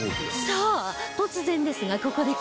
さあ突然ですがここでクイズ